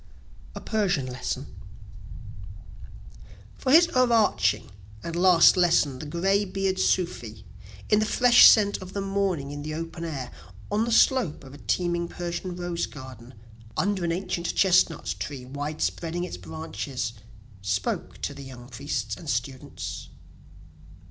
A Persian Lesson For his o'erarching and last lesson the greybeard sufi, In the fresh scent of the morning in the open air, On the slope of a teeming Persian rose garden, Under an ancient chestnut tree wide spreading its branches, Spoke to the young priests and students.